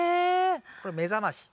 これ目覚まし。